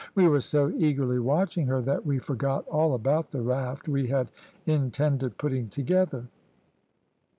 We were so eagerly watching her that we forgot all about the raft we had intended putting together.